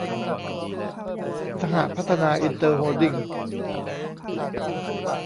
สหพัฒนาอินเตอร์โฮลดิ้ง